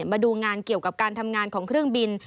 มาดูงานเกี่ยวกับการทำงานของเครื่องบิน